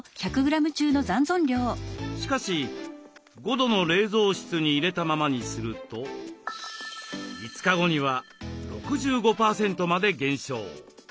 しかし５度の冷蔵室に入れたままにすると５日後には６５％まで減少。